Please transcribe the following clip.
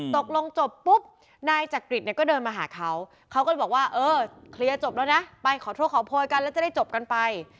จบลงจบปุ๊บนายจักริตเนี่ยก็เดินมาหาเขาเขาก็เลยบอกว่าเออเคลียร์จบแล้วนะไปขอโทษขอโพยกันแล้วจะได้จบกันไป